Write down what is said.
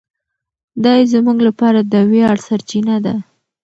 دی زموږ لپاره د ویاړ سرچینه ده.